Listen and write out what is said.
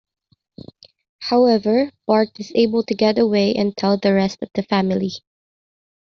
However, Bart is able to get away and tell the rest of the family.